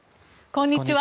こんにちは。